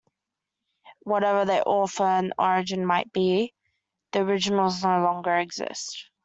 Whatever their author and origin might be, the originals no longer exist.